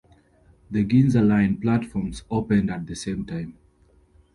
The Ginza Line platforms opened at the same time.